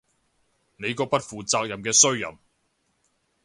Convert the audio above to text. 你個不負責任嘅衰人